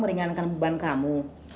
meringankan beban kamu